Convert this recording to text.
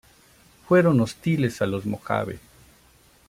Fueron hostiles a los mojave.